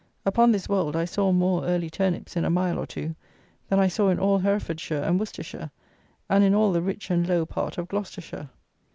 Upon this Wold I saw more early turnips in a mile or two, than I saw in all Herefordshire and Worcestershire and in all the rich and low part of Gloucestershire.